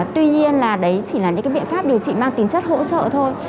tuy nhiên là đấy chỉ là những cái biện pháp điều trị mang tính chất hỗ trợ thôi